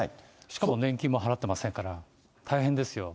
しかも年金も払ってませんから、大変ですよ。